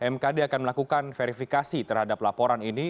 mkd akan melakukan verifikasi terhadap laporan ini